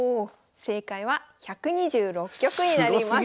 正解は１２６局になります。